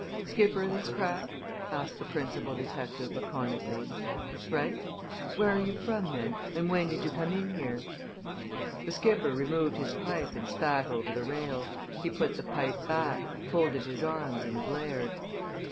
"Skipper o' this craft?" asked the principal detective laconically. "Right? Where are you from, then, and when did you come in here?" The skipper removed his pipe and spat over the rail. He put the pipe back, folded his arms and glared.